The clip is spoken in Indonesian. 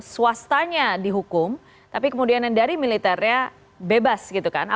swastanya dihukum tapi kemudian yang dari militernya bebas gitu kan